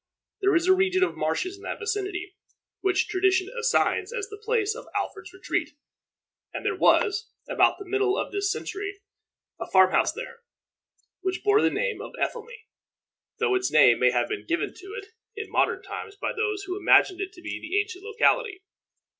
There is a region of marshes in that vicinity, which tradition assigns as the place of Alfred's retreat; and there was, about the middle of this century, a farmhouse there, which bore the name of Ethelney, though this name may have been given to it in modern times by those who imagined it to be the ancient locality.